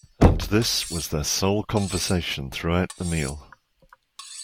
And this was their sole conversation throughout the meal.